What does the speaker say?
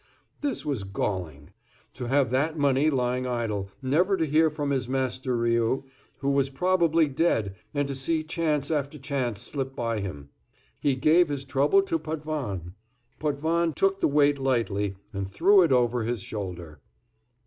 This was galling. To have that money lying idle; never to hear from his master Rioux, who was probably dead, and to see chance after chance slip by him. He gave his trouble to Potvin! Potvin took the weight lightly and threw it over his shoulder.